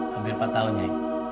hampir empat tahun ya